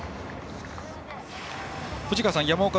藤川さん、山岡